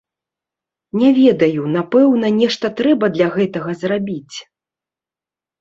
Не ведаю, напэўна, нешта трэба для гэтага зрабіць?